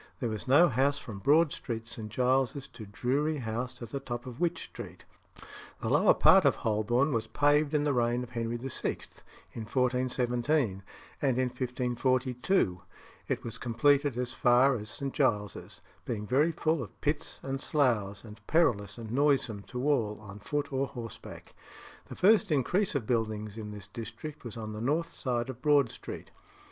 There was no house from Broad Street, St. Giles's, to Drury House at the top of Wych Street. The lower part of Holborn was paved in the reign of Henry VI., in 1417; and in 1542 (33d Henry VIII.) it was completed as far as St. Giles's, being very full of pits and sloughs, and perilous and noisome to all on foot or horseback. The first increase of buildings in this district was on the north side of Broad Street.